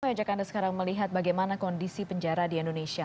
saya ajak anda sekarang melihat bagaimana kondisi penjara di indonesia